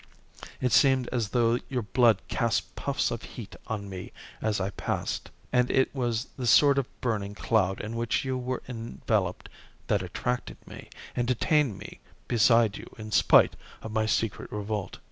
It seemed as though your blood cast puffs of heat on me as I passed, and it was this sort of burning cloud in which you were enveloped, that attracted me, and detained me beside you in spite of my secret revolt.